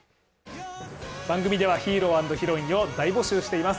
番組では「ヒーローアンドヒロイン」を大募集しています。